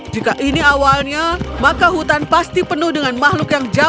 jika ini awalnya maka hutan pasti penuh dengan makhluk yang jauh